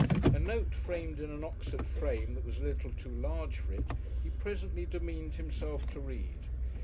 A note framed in an Oxford frame that was a little too large for it, he presently demeaned himself to read.